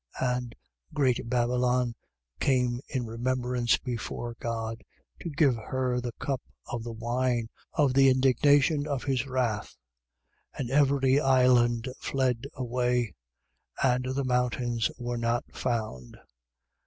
And great Babylon came in remembrance before God, to give her the cup of the wine of the indignation of his wrath. 16:20. And every island fled away: and the mountains were not found.